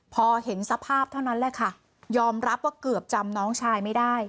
พอเห็นสภาพเท่านั้นแหละค่ะยอมรับว่าเกือบจำน้องชายไม่ได้